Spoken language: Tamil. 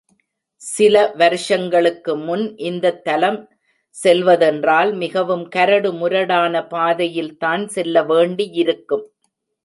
சில வருஷங்களுக்கு முன் இந்தத் தலம் செல்வதென்றால் மிகவும் கரடு முரடான பாதையில் தான் செல்லவேண்டியிருக்கும்.